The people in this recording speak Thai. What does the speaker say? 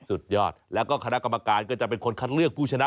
สุดยอดแล้วก็คณะกรรมการก็จะเป็นคนคัดเลือกผู้ชนะ